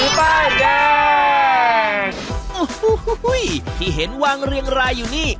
อุ๊หูหูหุ้ยที่เห็นวางเรียงรายอยู่นี่